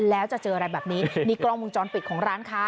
แล้วจะเจออะไรแบบนี้นี่กล้องมุมจรปิดของร้านค้า